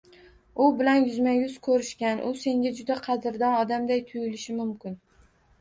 U bilan yuzma yuz koʻrishgan U senga juda qadrdon odamday tuyulishi mumkin.